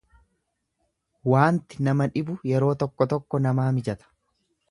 Waanti nama dhibu yeroo tokko tokko namaa mijata.